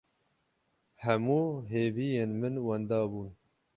Hemû hêviyên min wenda bûn.